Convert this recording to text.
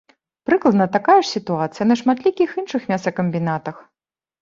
Прыкладна такая ж сітуацыя на шматлікіх іншых мясакамбінатах.